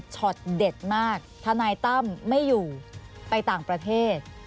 เด็ดมากทนายตั้มไม่อยู่ไปต่างประเทศ